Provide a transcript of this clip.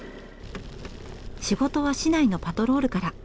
仕事は市内のパトロールから。